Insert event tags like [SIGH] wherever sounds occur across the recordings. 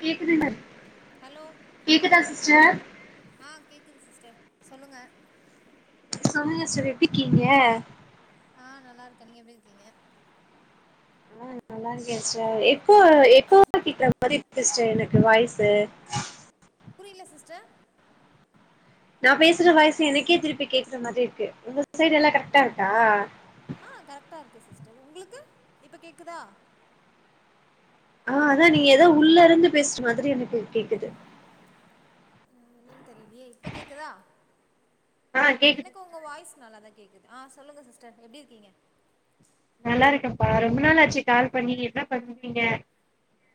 கேக்குதுங்ளா ஹலோ கேக்குதா சிஸ்டர் ஆ கேக்குது சிஸ்டர் சொல்லுங்க சொல்லுங்க சிஸ்டர் எப்டிக்கீங்க ஆ நல்லா இருக்க நீங்க எப்டி இருக்கீங்க ஆ நல்லா இருக்கே சிஸ்டர் எக்போ எகோவா கேக்குற மாரி இருக்கு சிஸ்டர் எனக்கு வாய்ஸ்சு புரில சிஸ்டர் நா பேசற வாய்சு எனக்கே திருப்பி கேக்கற மாரி இருக்கு உங்க சைடு எல்லா கரெக்டா இருக்கா அ கரெக்ட்டா இருக்கு சிஸ்டர் உங்களுக்கு இப்ப கேக்குதா ஆ அதா நீங்க எதோ உள்ள இருந்து பேசுற மாரி எனக்கு கேக்குது என்னன்னு தெரியலயே இப்ப கேக்குதா ஆ கேக்குது எனக்கு உங் க வாய்ஸ் நல்லா தா கேக்குது ஆ சொல்லுங்க சிஸ்டர் எப்டி இருக்கீங்க நல்லா இருக்கப்பா ரொம்ப நாள் ஆச்சு கால் பண்ணி என்ன பண்ணுவீங்க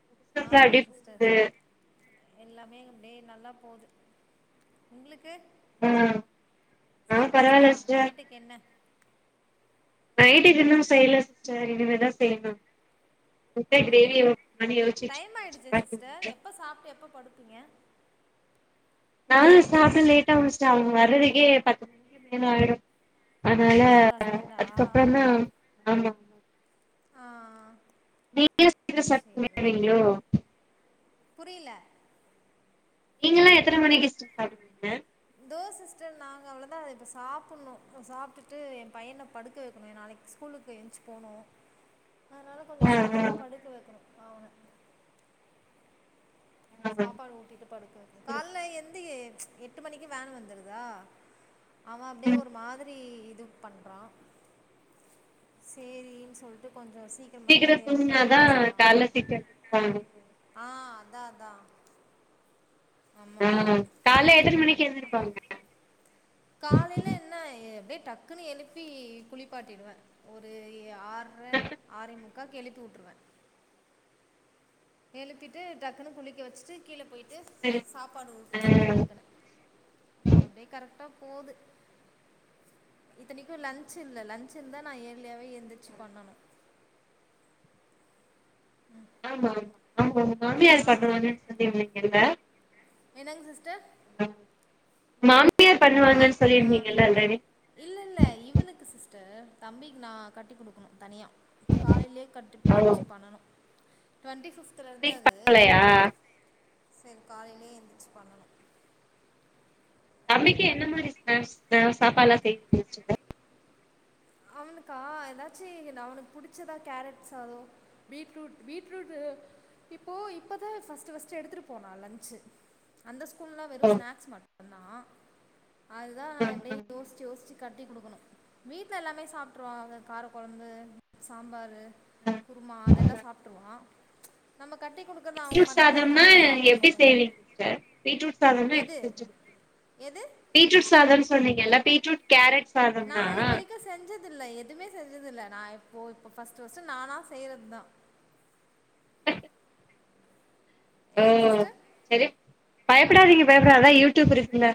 [INAUDIBLE] சுலா ஆமா எப்டி சிஸ்டர் போது எல்லாமே அப்டியே நல்லா போது உங்களுக்கு ஆ ஆ சாப்ட்டாச்சா பரவால்ல சிஸ்டர் நைட்டுக்கு என்ன நைட்க்கு இன்னு செய்யல சிஸ்டர் இனிமேதா செய்ணு முட்ட ஆஹா கிரேவி மாரி யோசிச்சுட்டு டைம் இருக்க ஆயிடுச்சே சப்பாத்தி சிஸ்டர் முட்ட எப்ப சாப்ட்டு எப்ப படுப்பீங்க நா சாப்ட லேட்டாகு சிஸ்டர் அவுங்க வரதுக்கே பத்து மணிக்கு மேல ஆயிடு அதனால உங்க ஹஸ்பண்டா அதுக்கப்புறதா ஆமா ஆ ஆ வீட்லே செஞ்சு சாப்ட் போயிருவிங்ளோ புரில நீங்களா எத்தன மணிக்கு சிஸ்டர் சாப்டுவீங்க தோ சிஸ்டர் நாங்க அவ்ளோதா இப்ப சாப்பட்ணு இப்ப சாப்ட்டுட்டு எ பையன படுக்க வைக்கணு நாளைக் ஸ்கூலுக்கு ஏன்ச்சு போணு அதனால கொஞ்சோ ஆ ஆ சீக்கரமா படுக்க வைக்கணு அவன ஆமா சாப்பாடு ஊட்டிட்டு படுக்க வைக்கணு சரி கால்ல சரி எந்தய எட்டு மணிக்கு வேன் வந்துறுதா ஆவ அப்டியே ம் ஒரு மாதிரி இது பண்றா சேரின் சொல்ட்டு கொஞ்சோ சீக்கரமா சீக்கிர இயர்லியாவே படுக்க தூங்குனாதா வச்சர்லா கால்ல சீக்கிர எந்திரிப்பாங்க ஆ அதா அதா ஆமா ஆமா ஆ கால்ல எத்தன மணிக்கு எந்திருப்பாங்க காலைல என்ன எப்டியே டக்குன்னு எழுப்பி குளிப்பாட்டிடுவே ஒரு எ ஆற்ரை சரி ஆறேமுக்காக்கு எழுப்பி உட்ருவே எழுப்பிட்டு டக்குன்னு குளிக்க வச்சிட்டு கீழ போய் டு சரி சாப்பாடு ஊட்டிடுவே ஆ டக்குன்னு அப்டியே கரெக்டா போது இத்தனிக்கும் லன்ச் இல்ல லன்ச் இருந்தா நா ஏயர்லியாவே எந்திரச்சு பண்ணனு ஆமா ஆமா உங்க ஆ மாமியாரு பண்ணுவாங்கன்னு சொல்லியிருந்தீங்கல்ல என்னங் சிஸ்டர் அ மாமியார் பண்ணுவாங்கன்னு சொல்லியிருந்தீங்கல்ல முன்னாடி இல்ல இல்ல இவனுக்கு சிஸ்டர் தம்பிக்கு நா கட்டு குடுக்கணு தனியா காலைலயே கட்டு ஆல்ரெடி ஏன்ச்சு பண்ணனு டவெண்டி பிப்த் த்துறந்து இன்னைக்கு அது பண்லையா செரி காலையிலே எந்திரிச்சி பண்ணணு தம்பிக்கு என்ன மாரி ஸ்னக்ஸ் அ சாப்பாடுல்லா செஞ்சு‌ வச்சிங்க அவனுக்கா எதாச்சு அவனுக்கு புடிச்சதா கேரட் சாதோ பீட்ரூட் பீட்ரூட்டு இப்போ இப்பதா ஃபஸ்ட்டு ஃபஸ்ட்டு எடுத்துட்டு போனா லன்சு அந்த ஸ் ஸ்கூல்லா வெறு ஸ்நாக்ஸ் மட்டுதா அதுதா நா எப்டியே யோசிச்சு யோசிச்சு கட்டி குடுக்கணு வீட்ல எல்லாமே சாப்டுருவா அவ கார கொழம்பு சாம்பாரு குருமா அதெல்லா சாப்ட்டுருவா நம்ம கட்டிகுடு குடுக்கறத அவன் பீட்ரூட் மட்டுந்தானே சாதம்னா தனியா சாப்பிட்ணு எப்டி இல்ல செய்வீங்க சிஸ்டர் பீட்ரூட் சாதம்னா எப்டி எது செஞ்சு எது பீட்ரூட் சாதம் சொன்னீங்கல்ல பீட்ரூட் கேரட் நா சாதம்னா இது வரிக்கும் செஞ்சதுல்ல எதுமே செஞ்சதுல்ல நா இப்போ இப்போ ஃபர்ஸ்ட்டு ஃபர்ஸ்ட்டு நானா செய்றதுதா [UNINTELLIGIBLE] ஓ என்னங் சிஸ்டர் சரி பயப்படாதீங்க பயப்படா அத்தா யூடியூப் இருக்குல்ல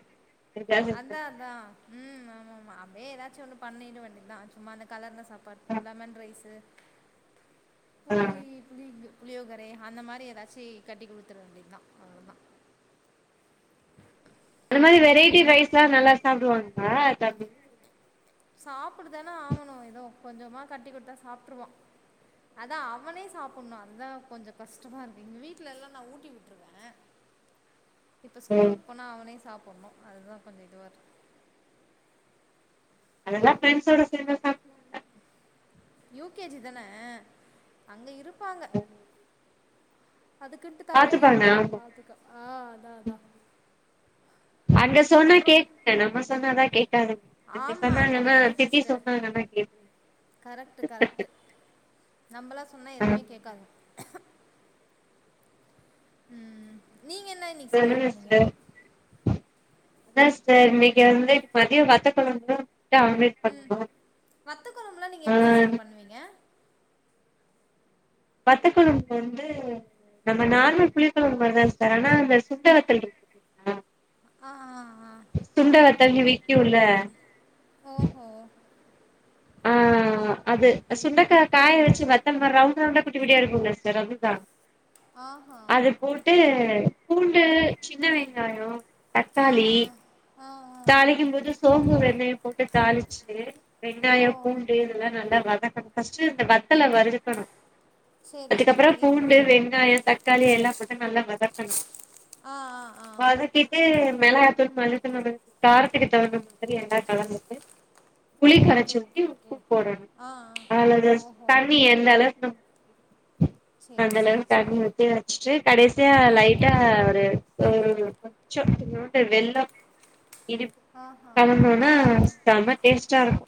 அத்தா அத்தா ம் ஆமா ஆமா அப்டியே ஏதாச்சும் ஒண்ணு பண்ணிட வேண்டியதுதா சும்மா அந்த கலர்னஸ் சாப்பாட் லெமன் ரைஸ்சு புளி புளி [UNINTELLIGIBLE] புளியோகரை அந்த மாறி ஏதாச்சு கட்டி குடுத்துற வேண்டியதுதா அவ்ளதா அந்த மாறி வெரைட்டி ரைஸ்லா நல்லா சாப்டுவாங்ளா [UNINTELLIGIBLE] சாப்புட்டுதானே ஆகணு ஏதோ கொஞ்சமா கட்டி குடுத்தா சாப்ட்ருவா அத்தா அவனே சாப்புட்ணு அது தா கொஞ்சோ கஷ்டமா இருக்கும் இங்க வீட்ல எல்லா நா ஊட்டி விட்ருவே அ இப்ப ஸ்கூலுக்கு போனா அவனே சாப்புட்ணு அதுதா கொஞ்சோ இதுவா இருக் [UNINTELLIGIBLE] அதெல்லா ஃப்ரெண்ட்ஸ் சோட சேந்து சாப்டுவாங்க யூ கே ஜி தானே அங்க இருப்பாங்க அதுக்குன்ட்டு தனியா பாத்துப்பாங்க இருப்பாங்க ஆமா பாத்துக்க ஆ அத்தா அத்தா அங்க சொன்னா அப்றோ கேக்குதுங்க நம்ப சொன்னாதா கேக்காதுங்க அங்க ஆமா சொன்னாங்கன்னா கரக்ட்டு திட்டி சிஸ்டர் சொன்னாங்கன்னா கேக்குங்க கரக்ட்டு கரக்ட்டு நம்பளா சொன்னா ஆமா எதுமே கேக்காது உம் நீங்க என்ன இன்னைக்கு சமையல் சொல்லுங்க பண்ணீங்க சிஸ்டர் அத்தா சிஸ்டர் இன்னைக்கு வந்து மதியோ வத்த கொழம்பும் ம் வத்த கொழம்பல்லா நீங்க ஆ எப்டி சிஸ்டர் பண்ணுவீங்க வத்தக்கொழம்பு வந்து நம்ப நார்மல் புளி கொழம்பு மாறிதா சிஸ்டர் ஆனா அந்த சுண்ட வத்தல் இருக்கு இல்லீங்களா க்கா வத்தல்னு விக்குல்ல [INAUDIBLE] ஓ ஹோ ஆ அது சுண்டக்கா காய வச்சு வத்தல் ரவுண்ட் ரவுண்டா குட்டி குட்டியா இருக்கும்ல சிஸ்டர் அதுதா ஆ அது போட்டு பூண்டு சின்ன வெங்காயோ ஆ தக்காளி ஆ ஆ ஆ தாளிக்கும் ஆ போது சோம்பு வெங்காயோ போட்டு தாளிச்சுட்டு ஓ வெங்காயம் பூண்டு எல்லா நல்லா வதக்கணு ஃபர்ஸ்ட்டு இந்த வத வத்தல வருக்கணு சேரி அதுக்கப்புறோ சேரி பூண்டு வெங்காயம் தக் காளி எல்லா போட்டு நல்லா வதக்கணு ஆ ஆ ஆ வதக்கி டு மெளகாத்தூள் மஞ்சதூள் நம்ம காரத்துக்கு தகுந்த மாரி எல்லா கலந்துட்டு புளி ஓகே கரச்சி ஊத்தி ஓகே ஓகே உப்பு போடணு ஆ ஆ அ அதுல ஓஹோ தண்ணி எந்தளவு நம்ம சேரி அந்த சேரி அளவுக்கு தண்ணி சேரி ஊத்தி வச்சுட்டு கடைசியா ஆ லைட்டா ஒரு ம் கொஞ்ச்சோ இத்துணூண்டு வெள்ளம் இனிப்பு ஆஹா ஆ கலந்தோனா செம டேஸ்ட்டா இருக்கு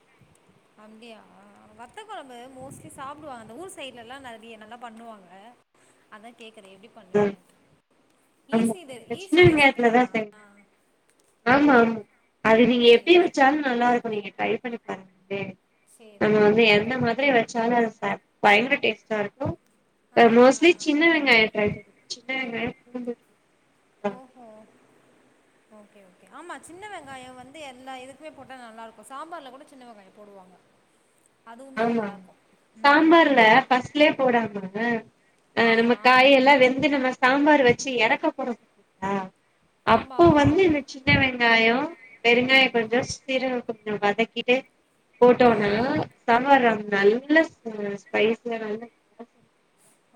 அப்டியா வத்தக்கொழம்பு மோஸ்ட்லி சாப்புடுவாங்க அந்த ஊர் சைட்லல்லா நறியா நல்லா பண்ணுவாங்க அத்தா கேக்குறே எப்டி பண்ணுவீங்கன்னு ஆமா அந்த சின்ன வெங்காயத்துலதா சென் ஆமா ஆமா அது நீங்க எப்டி சேரி வெச்சாலு நல்லா இருக்கும் நீங்க ட்ரை பண்ணி பாருங்களே சேரி நம்ம வந்து ஓகே ஓகே எந்த மாதிரி வெச்சாலு அது பயங்கர டேஸ்ட்டா இருக்கும் ஆ ஆ மோஸ்ட்லி ஆ சின்ன வெங்காயம் [INAUDIBLE] சின்ன வெங்காயம் பூண்டு ஓ ஓ ஓக்கே ஓக்கே ஆமா சின்ன வெங்காயம் வந்து எல்லா இதுக்குமே போட்டா நல்லாருக்கு சாம்பார்ல கூட சின்ன வெங்காயோ போடுவாங்க அதுவுமே ஆமா நல்லாருக்கு ம் சாம்பார்ல ஃபஸ்ட் ஃபஸ்லேயே போடாம ஆ நம்ம ஆமா காயெல்லா வெந்து நம்ம சாம்பார் வெச்சு எறக்க போற ளா ஆமா அப்போ ஆமா வந்து சின்ன வெங்காயோ வெருங்காயோ கொஞ்சோ சீரகோ கொஞ்சோ வதக்கிட்டு ஆ போட்டோனா சாம்பார் நல்ல ஸ்பைஸியா நல்ல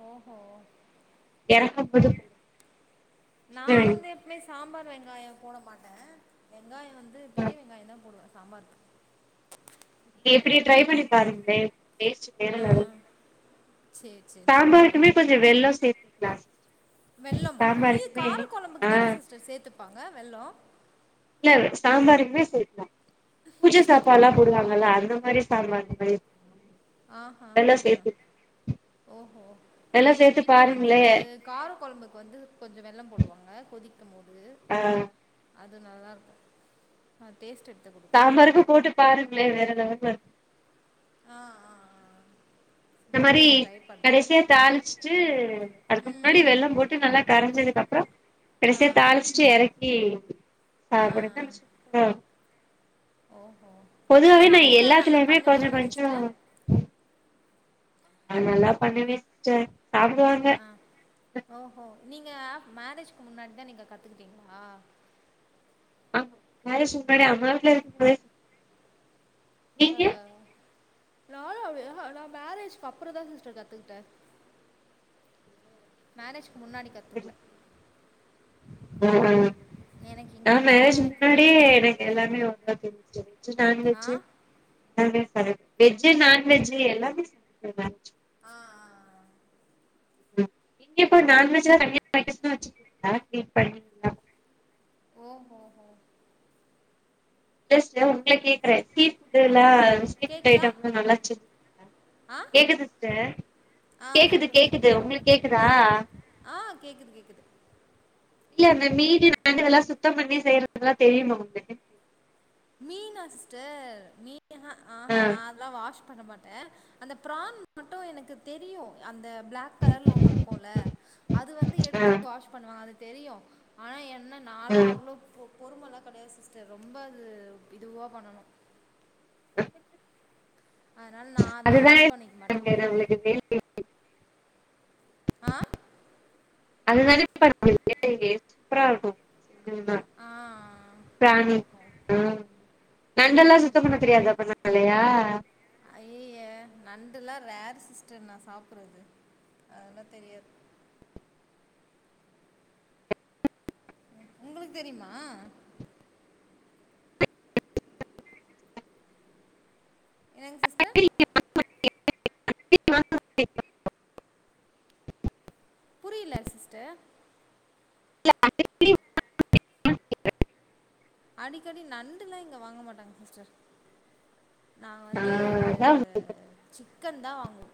ஓ ஓ எறக்கும் போது நா வந்து எப்பயுமே சாம்பார் வெங்காயோ போட மாட்டே வெங்காயோ வந்து பெரிய வெங்காயோ தா போடுவே சாம்பாருக்கு இது எப்டி ட்ரை பண்ணி பாருங்களே டேஸ்ட் வேற ஆ லெவல்ல இருக்கு. சேரி சாம்பாருக்குமே கொஞ்சோ வெள்ளோ சேத்துக்கலா வெள்ளமா அது கார ஆ கொழம்புக்கு தானே சிஸ்டர் சேத்துப்பாங்க வெள்ளோ இல்ல சாம்பாருக்குமே சேக்கலா பூஜ சாப்பாட்ல்லா சேர்த்துப்பாங்களா போடுவாங்கில்ல அந்த மாரி சாம்பாருக்கு ஆ ஆ ஆ ஆ ஓ ஓ ஆனா வெல்லோ எங்க சேத்து வீட்ல வந்து பாருங்களே கார கொழம்புக்கு வந்து கொஞ்சோ வெள்ளம் போடுவாங்க கொதிக்கும் போது ஆ அது நல்லா இருக்கு ஆ டேஸ்ட்டு எடுத்துக்கொடு சாம்பாருக்கு போட்டு பாருங்களே வேற லெவல்ல இருக்கு ஆ ஆ ஆ இந்த நா மாரி பண்ற ட்ரை பண்ணுறேன் கடைசியா தாளிச்சுட்டு அதுக்கு முன்னாடி ம் வெள்ளோ போட்டு நல்லா கரைஞ்சதுக்கு அப்றோ ஆ கடைசியா தாளிச்சுட்டு எறக்கி ஆ சாப்பாடுங்க ஆ சூப்பரா இருக்கு ஓஹோ நீங்க பொதுவாவே நா சமையல்லாம் நல்லா எல்லாத்துலயுமே கொஞ்சோ பண்ணுவீங்களா கொஞ்சோ சிஸ்டர்? நா நல்லா பண்ணிவே சிஸ்டர் சாப்டுவாங்க அ ஓ ஓ நீங்க மேரேஜ்கு முன்னாடிதா நீங்க கத்துக்கிட்டீங்களா அ மேரேஜுக்கு முன்னாடி அம்மா வீட்ல இருக்கும் போதே ஆ நீங்க நானு அப்டிதா நா மேரேஜ்க்கு அப்றோ தா சிஸ்டர் கத்துக்கிட்டே மேரேஜ்க்கு முன்னாடி கத்துக்கல ஆஹா எனக்கு நா இங்க வந்துதா மேரேஜ்க்கு எனக்கு முன்னாடியே தெரியு. எனக்கு எல்லாமே ஓரளவுக்கு ஆ தெரிஞ்சுருச்சு வெஜ் நான்வெஜு எல்லாமே சமப்பே வெஜு நான்வெஜு எல்லாமே சமப்பே நான் ஆ ஆ ஆ இங்க பாரு ஓகே நான்வெஜ் ஓகே எல்லா [INAUDIBLE] ஓ ஹோ ஹோ இல்ல சிஸ்டர் உங்கள கேக்குறே ஸீ ஃபுட்லா ஸீ ஃபுட் கேக்குதா? ஐட்டம் எல்லா நல்லா செஞ் ஆ கேக்குது சிஸ்டர் ஆ கேக்குது சொல்லுங்க கேக்குது சொல்லுங்க. உங்களுக் கேக்குதா ஆ கேக்குது கேக்குது இல்ல இந்த மீனு நண்டு இதெல்லா சுத்தம் பண்ணி செய்யறதுக்கெல்லா தெரியுமா உங்களுக்கு மீனா சிஸ்டர் மீனு அ ஆ ஆஹா நா அதெல்லா வாஷ் பண்ண மாட்டே அந்த ப்ரான் மட்டு எனக்கு தெரியு அந்த ப்ளாக் கலர்ல ஒண்ணு இருக்குல அது வந்து ஆ எடுத்துட்டு வாஷ் பண்ணுவாங்க அது தெரியு ஆனா என்ன ஆ நாளா அவ்ளோ பொறுமல்லா கெடையாது சிஸ்டர் ரொம்ப அது இதுவா பண்ணனு அ அதுனால நா அந்த இது பண்ணிக்க மாட்டே நம்ளுக்கு தே ஆ அதுதாலே [INAUDIBLE] சூப்பரா இருக்கு செஞ்சம்னா ஆ ஆ பிராணி ஹம் நண்டெல்லாம் சுத்தம் பண்ண தெரியாத பண்ணலையா ஐய்யய்ய நண்டுலா ரேர் சிஸ்டர் நா சாப்புட்றது அதெல்லா தெரியாது உங்களுக்கு தெரியுமா என்னங்க சிஸ்டர் [INAUDIBLE] புரியல சிஸ்டர் இல்ல [INAUDIBLE] அடிக்கடி நண்டுல்லா இங்க வாங்க மாட்டாங்க சிஸ்டர் நாங்க ஆ வந்து அதா சிக்கன் தா வாங்குவோ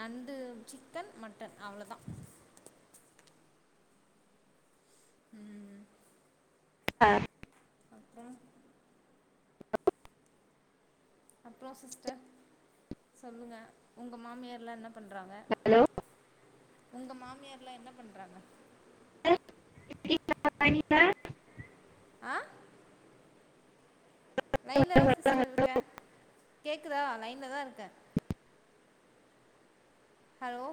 நண்டு சிக்கன் மட்டன் அவ்ளோதா ம் ம் அ அப்றோ அப்றோ சிஸ்டர் சொல்லுங்க உங்க மாமியார்லா என்னப் பண்றாங்க உங்க மாமியார்லா என்ன பண்றாங்க [INAUDIBLE] ஆ லைன்ல தா சிஸ்டர் இருக்கே கேக்குதா லைன்ல தா இருக்கே hello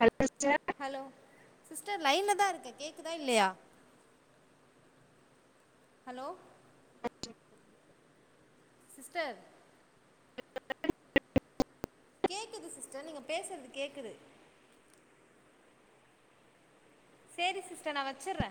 hello sister hello sister லைன்ல தா இருக்கே கேக்குதா இல்லையா ஹலோ சிஸ்டர் கேக்குது சிஸ்டர் நீங்க பேசுறது கேக்குது சேரி சிஸ்டர் நா வச்சுர்றே